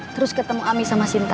terus ketemu ami sama sinta